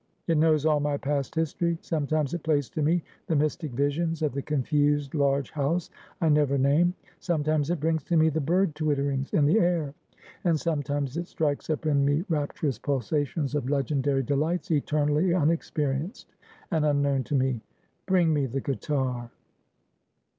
It knows all my past history. Sometimes it plays to me the mystic visions of the confused large house I never name. Sometimes it brings to me the bird twitterings in the air; and sometimes it strikes up in me rapturous pulsations of legendary delights eternally unexperienced and unknown to me. Bring me the guitar."